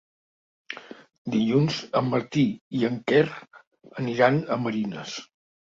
Dilluns en Martí i en Quer aniran a Marines.